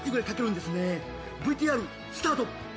ＶＴＲスタート。